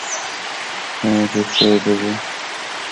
তুমি সুস্থ হয়ে যাবে।